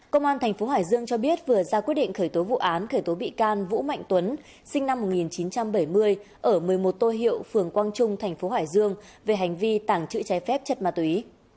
công an tp hải dương cho biết vừa ra quyết định khởi tố vụ án khởi tố bị can vũ mạnh tuấn sinh năm một nghìn chín trăm bảy mươi ở một mươi một tô hiệu phường quang trung tp hải dương về hành vi tảng chữ cháy phép chất ma túy